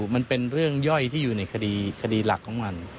มันเป็นเรื่องย่อยที่อยู่ในคดีหลักของมัน